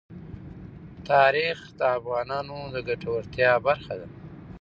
تاریخ د افغانانو د ګټورتیا برخه ده.